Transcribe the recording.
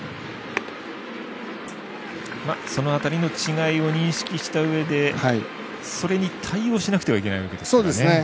その辺りの違いを認識したうえでそれに対応してなくてはならないわけですからね。